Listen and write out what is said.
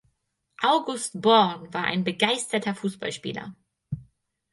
August Born war ein begeisterter Fußballspieler.